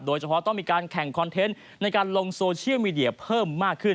โดยเฉพาะต้องมีการแข่งคอนเทนต์ในการลงโซเชียลมีเดียเพิ่มมากขึ้น